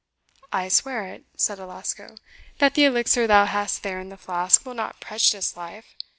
"I swear it," said Alasco, "that the elixir thou hast there in the flask will not prejudice life!